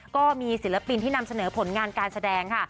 ก็มีศิลปินที่นำเสนอผลงานการแสดงค่ะ